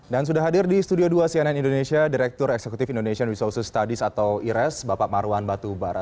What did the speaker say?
dan sudah hadir di studio dua cnn indonesia direktur eksekutif indonesian resources studies atau ires bapak marwan batubara